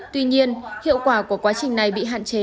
tuy nhiên hiệu quả của quá trình này bị hạn chế